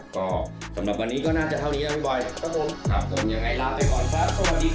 ก็สำหรับวันนี้ก็น่าจะเท่านี้แล้วพี่บอย